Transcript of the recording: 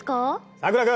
さくら君！